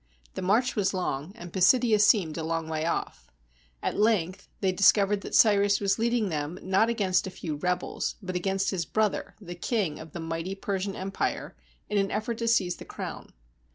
The march was long, and Pisidia seemed a long way off. At length they discovered that Cyrus was leading them, not against a few rebels, but against his brother, the king of the mighty Persian Empire, in an effort to seize the crown.